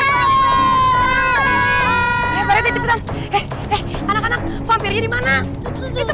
itu bernyata atau yang ada vampire tolong tolong